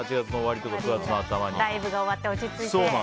ライブが終わって落ち着いて。